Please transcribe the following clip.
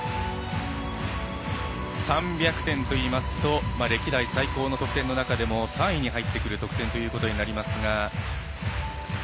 ３００点といいますと歴代最高の得点の中でも３位に入ってくる得点ということになりますが。